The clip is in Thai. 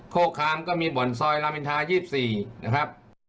โคคามก็มีบ่อนซอยรามอินทา๒๔นะครับ